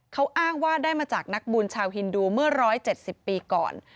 เขาอ้างว่าได้มาจากนักบุญชาวฮินดูเมื่อ๑๗๐ปีก่อน